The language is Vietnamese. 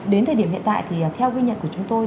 đến thời điểm hiện tại theo quy nhận của chúng tôi